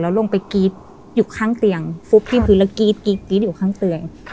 แล้วลงไปกี๊ดอยู่ข้างเตียงที่ผืนแล้วกี๊ดอยู่ข้างเตียง